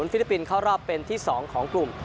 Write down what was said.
ลิปปินส์เข้ารอบเป็นที่๒ของกลุ่ม